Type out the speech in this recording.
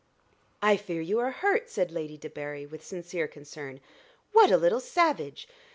"I fear you are hurt," said Lady Debarry, with sincere concern. "What a little savage!